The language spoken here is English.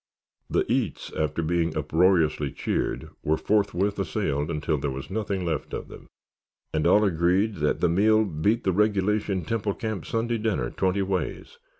"The eats" after being uproariously cheered, were forthwith assailed until there was nothing left of them, and all agreed that the meal beat the regulation Temple Camp Sunday dinner twenty ways.